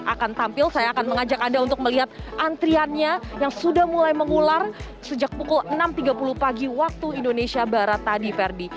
akan tampil saya akan mengajak anda untuk melihat antriannya yang sudah mulai mengular sejak pukul enam tiga puluh pagi waktu indonesia barat tadi ferdi